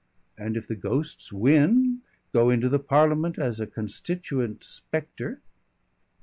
And if the ghosts win, go into the Parliament as a constituent spectre....